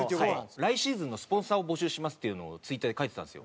「来シーズンのスポンサーを募集します」っていうのをＴｗｉｔｔｅｒで書いてたんですよ。